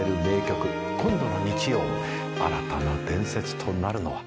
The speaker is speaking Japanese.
今度の日曜新たな伝説となるのは。